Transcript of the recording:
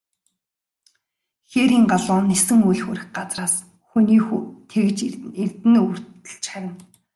Хээрийн галуу нисэн үл хүрэх газраас, хүний хүү тэгж эрдэнэ өвөртөлж харина.